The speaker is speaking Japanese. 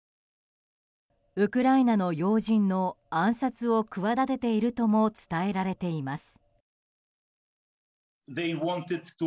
ウクライナの要人の暗殺を企てているとも伝えられています。